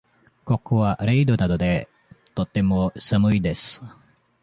ここは零度なので、とても寒いです。